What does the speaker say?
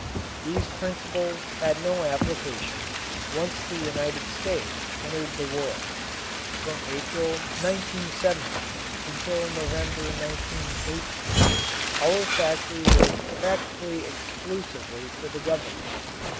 These principles had no application, once the United States entered the war. From April, 1917, until November, 1918, our factory worked practically exclusively for the Government.